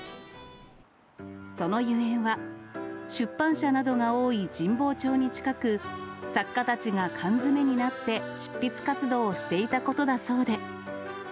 そのゆえんは、出版社などが多い神保町に近く、作家たちがカンヅメになって執筆活動をしていたことだそうで。